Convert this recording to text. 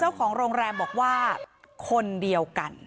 เจ้าของโรงแรมบอกว่าคนเดียวกัน